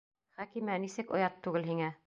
Хәкимә, нисек оят түгел һиңә?!